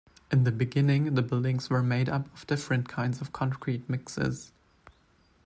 In the beginning the buildings were made up of different kinds of concrete mixes.